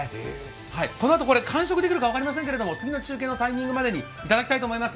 このあと完食できるか分かりませんけれども、次の中継のタイミングまでにいただきたいと思います。